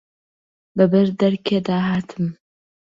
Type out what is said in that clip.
بە بەر دەرکێ دا هاتم